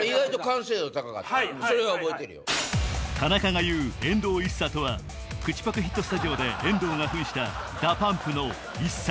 田中が言う遠藤ＩＳＳＡとは口ぱくヒットスタジオで遠藤が扮したＤＡＰＵＭＰのＩＳＳＡ